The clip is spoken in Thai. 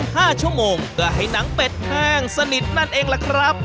ประมาณ๔๕ชั่วโมงก็ให้หนังเป็ดแห้งสนิทนั่นเองล่ะครับ